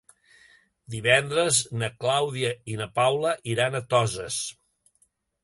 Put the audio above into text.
Divendres na Clàudia i na Paula iran a Toses.